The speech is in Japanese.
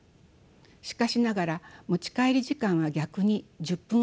しかしながら持ち帰り時間は逆に１０分ほど増えています。